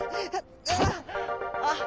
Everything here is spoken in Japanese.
あっ！